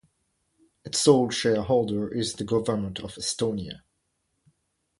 Its sole shareholder is the Government of Estonia.